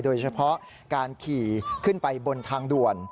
โดยเฉพาะการขี่ขึ้นไปบนทางด่วน